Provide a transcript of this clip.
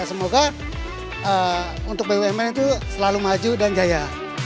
semoga untuk bumn itu selalu maju dan jaya